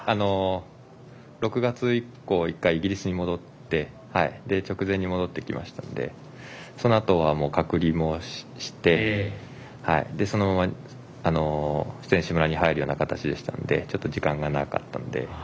６月以降１回イギリスに戻って直前に戻ってきましたのでその後は隔離もしてそのまま選手村に入るような形だったのでちょっと時間がなかったので。